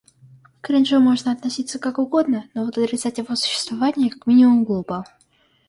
К кринжу можно относиться как угодно, но вот отрицать его существование как минимум глупо.